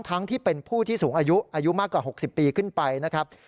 ทั้งที่เป็นผู้ที่สูงอายุอายุมากกว่า๖๐ปีขึ้นไปนะครับ